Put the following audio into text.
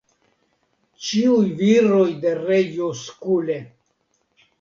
ĉiuj viroj de reĝo Skule!